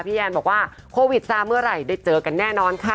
แอนบอกว่าโควิดซาเมื่อไหร่ได้เจอกันแน่นอนค่ะ